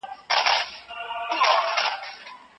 که پوهه ولري نو په هر ځای کي عزت لري.